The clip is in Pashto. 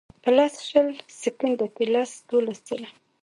پۀ لس شل سیکنډه کښې لس دولس ځله